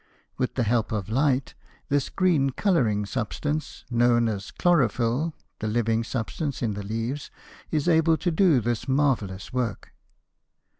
With the help of light and this green coloring substance, known as "chlorophyll," the living substance in the leaves is able to do this marvelous work.